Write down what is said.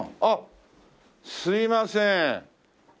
あっすいません。